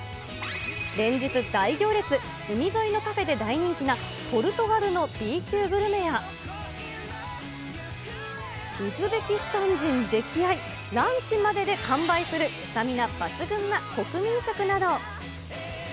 連日、大行列、海沿いのカフェで大人気なポルトガルのＢ級グルメや、ウズベキスタン人溺愛、ランチまでで完売するスタミナ抜群な国民食など。